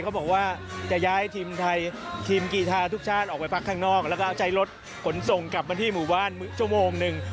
เขาบอกว่าจะย้ายทีมไทยทีมกีธาทุกชาติออกไปพักข้างนอกแล้วก็ใช้รถขนส่งกลับมาที่หมู่บ้านชั่วโมงหนึ่ง